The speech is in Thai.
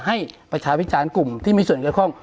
ให้ประชาวิจารณ์กลุ่มที่มีส่วนเกี่ยวข้อง